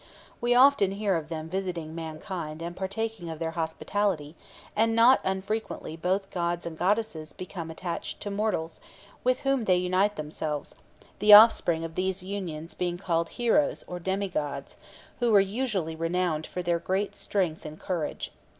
We often hear of them visiting mankind and partaking of their hospitality, and not unfrequently both gods and goddesses become attached to mortals, with whom they unite themselves, the offspring of these unions being called heroes or demi gods, who were usually renowned for their great strength and courage.